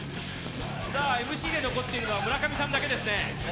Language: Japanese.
ＭＣで残っているのは村上さんだけですね。